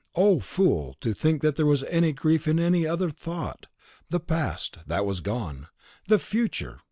Oh, fool, to think that there was grief in any other thought! The past! that was gone! The future!